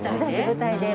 舞台で？